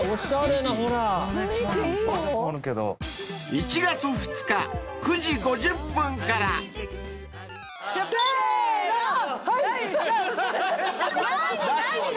［１月２日９時５０分から］せーの！